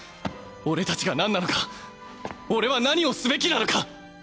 俺たちがなんなのか俺は何をすべきなのか！